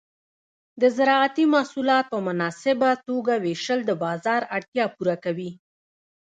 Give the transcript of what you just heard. د زراعتي محصولات په مناسبه توګه ویشل د بازار اړتیا پوره کوي.